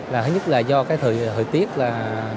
là thứ nhất là do cái thời tiết là